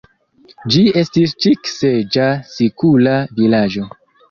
Ĝi estis ĉik-seĝa sikula vilaĝo.